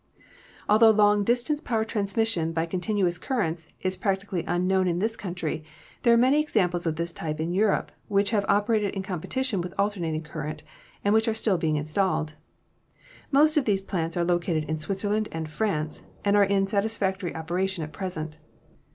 Altho long distance power transmission by continuous currents is practically unknown in this country, there are many examples of this type in Europe which have operated in competition with alternating current, and which are still being installed. Most of these plants are located in Switzerland and France, and are in satisfac tory operation at present.